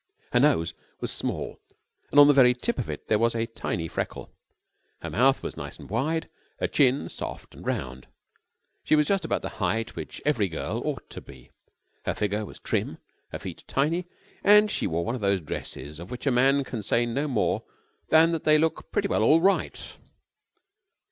Her nose was small, and on the very tip of it there was a tiny freckle. Her mouth was nice and wide, her chin soft and round. She was just about the height which every girl ought to be. Her figure was trim, her feet tiny, and she wore one of those dresses of which a man can say no more than that they look pretty well all right.